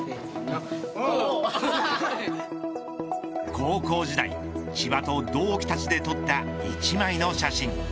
高校時代千葉と同期たちで撮った１枚の写真。